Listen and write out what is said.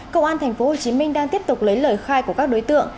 công an tp hcm đang tiếp tục lấy lời khai của các đối tượng